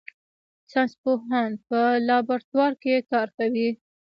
ساینس پوهان په لابراتوار کې کار کوي